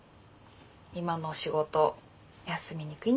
今の仕事休みにくいんだよね